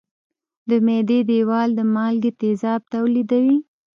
د معدې دېوال د مالګي تیزاب تولیدوي.